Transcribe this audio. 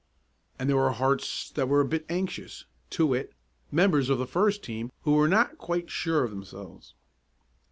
And there were hearts that were a bit anxious to wit, members of the first team who were not quite sure of themselves.